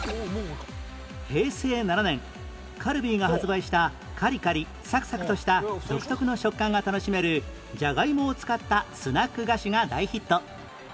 平成７年カルビーが発売したカリカリサクサクとした独特の食感が楽しめるじゃがいもを使ったスナック菓子が大ヒット